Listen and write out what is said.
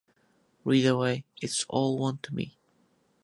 Read away; it's all one to me.